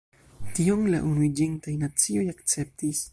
Tion la Unuiĝintaj Nacioj akceptis.